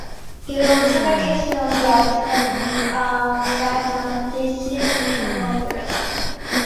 He will also make his film debut in "A Mathematician in Wonderland".